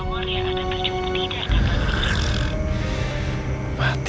nomor yang anda berhenti dari